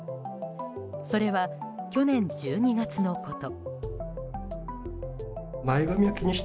それは去年１２月のこと。